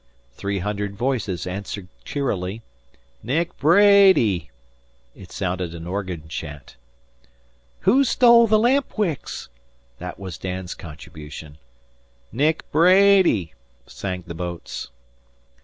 Three hundred voices answered cheerily: "Nick Bra ady." It sounded like an organ chant. "Who stole the lampwicks?" That was Dan's contribution. "Nick Bra ady," sang the boats.